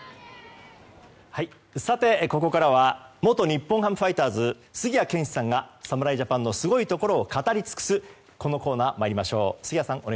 さて、ここからは元日本ハムファイターズ杉谷拳士さんが侍ジャパンのすごいところを語り尽くすこのコーナー、まいりましょう。